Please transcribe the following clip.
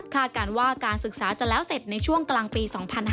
การว่าการศึกษาจะแล้วเสร็จในช่วงกลางปี๒๕๕๙